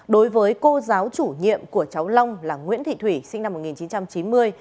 đối với cô giáo chủ nhiệm của cháu long là nguyễn thị thủy sinh năm một nghìn chín trăm chín mươi